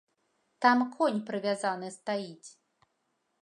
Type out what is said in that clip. Там конь прывязаны стаіць.